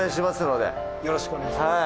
よろしくお願いします。